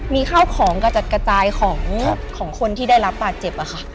มีข้าวของกระจัดกระจายของคนที่ได้รับบาดเจ็บค่ะ